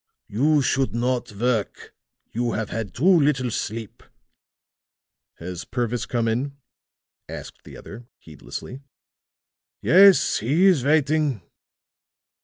"You should not work. You have had too little sleep." "Has Purvis come in?" asked the other, heedlessly. "Yes, he is waiting."